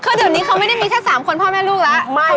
คือเดี๋ยวนี้เขาไม่ได้มีแค่๓คนพ่อแม่ลูกแล้ว